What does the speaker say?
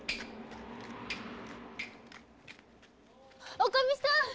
女将さん！